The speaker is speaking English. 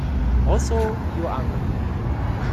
Also your uncle.